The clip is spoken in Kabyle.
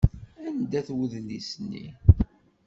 Anda-t wedlis-nni?